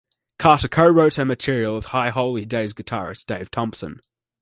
Carter co-wrote her material with High Holy Days guitarist Dave Thompson.